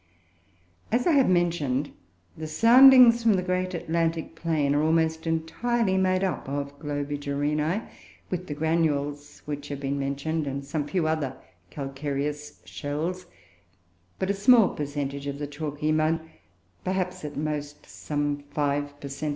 As I have mentioned, the soundings from the great Atlantic plain are almost entirely made up of Globigerinoe, with the granules which have been mentioned, and some few other calcareous shells; but a small percentage of the chalky mud perhaps at most some five per cent.